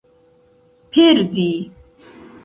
perdi